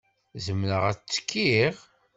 Zemreɣ ad ttekkiɣ?